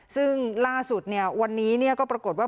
ซึ่งล่าสุดวันนี้ก็ปรากฏว่า